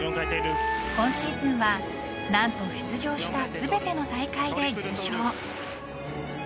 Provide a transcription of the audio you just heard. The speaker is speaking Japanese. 今シーズンは何と出場した全ての大会で優勝。